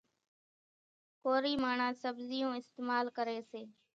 ڪورِي ماڻۿان سٻزِيوُن اِستمال ڪريَ سي۔